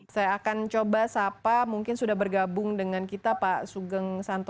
saya akan coba sapa mungkin sudah bergabung dengan kita pak sugeng santoso